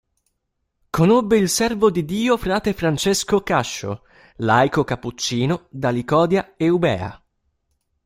Conobbe il servo di Dio frate Francesco Cascio, laico cappuccino da Licodia Eubea.